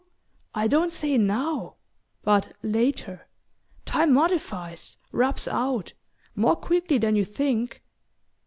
I don't say now. But later? Time modifies ... rubs out ... more quickly than you think...